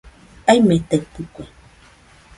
Aimetaitɨkue